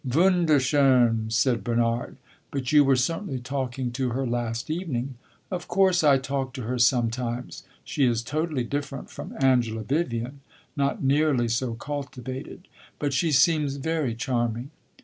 "Wunderschon!" said Bernard. "But you were certainly talking to her last evening." "Of course I talk to her sometimes. She is totally different from Angela Vivian not nearly so cultivated; but she seems very charming."